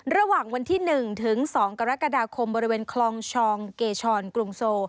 ระหว่างวันที่๑ถึง๒กรกฎาคมบริเวณคลองชองเกชอนกรุงโซ